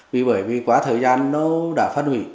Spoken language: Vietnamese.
bởi vì quá thời gian nó đã phát huỷ